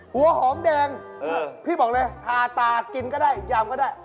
หัวหอมแดงพี่บอกเลยทาตากินก็ได้ยำก็ได้